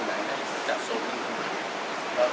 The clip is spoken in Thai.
แเนยไหนต่างจากสวมลิงไตร